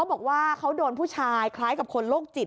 บอกว่าเขาโดนผู้ชายคล้ายกับคนโรคจิต